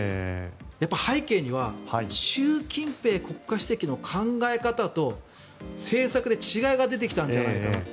やっぱり背景には習近平国家主席の考え方と政策で違いが出てきたんじゃないかと。